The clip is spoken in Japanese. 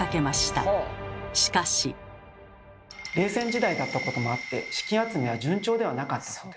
冷戦時代だったこともあって資金集めは順調ではなかったそうです。